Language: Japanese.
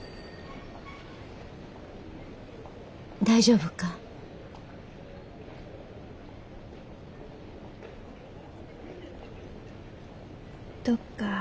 大丈夫か？